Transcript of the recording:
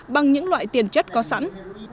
bằng những loại tiền chất có sẵn